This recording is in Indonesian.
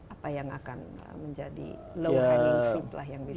apa yang akan menjadi low handling fruit lah yang bisa